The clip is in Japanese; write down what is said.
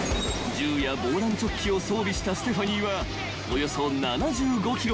［銃や防弾チョッキを装備したステファニーはおよそ７５ｋｇ］